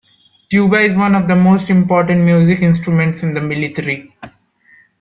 Tuba is one of the most important music instruments in the military.